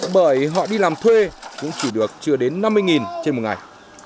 bởi họ đi làm thuê cũng chỉ được chưa đến năm mươi trên một ngày